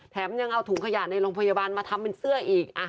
ยังเอาถุงขยะในโรงพยาบาลมาทำเป็นเสื้ออีก